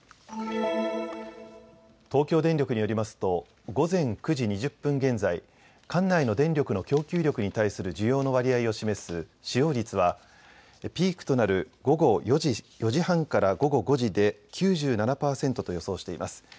東京電力によりますと午前９時２０分現在、管内の電力の供給力に対する需要の割合を示す使用率はピークとなる午後４時半から午後５時で９７％と予想しています。